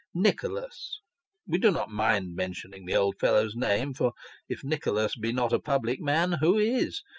Nicholas (we do not mind mentioning the old fellow's name, for if Nicholas be not a public man, who is